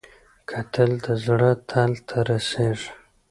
کتل د زړه تل ته رسېږي